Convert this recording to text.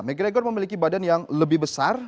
mcgregor memiliki badan yang lebih besar